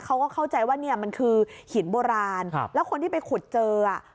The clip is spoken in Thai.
เขาก็เข้าใจว่าเนี่ยมันคือหินโบราณครับแล้วคนที่ไปขุดเจออ่ะ